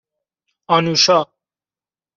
آنوشا